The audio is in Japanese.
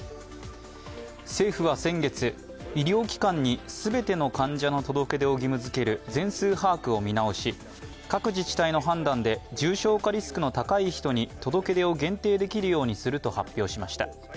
政府は先月、医療機関に全ての患者の届け出を義務づける全数把握を見直し、各自治体の判断で重症化リスクの高い人に届け出を限定できるようにすると発表しました。